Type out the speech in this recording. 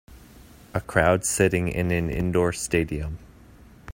A crowd sitting in an indoor stadium.